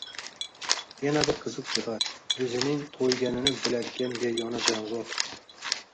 Yana bir qiziq jihat — o‘zining to‘yganini biladigan yagona jonzot.